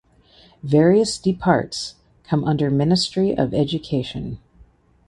Various departs come under ministry of education.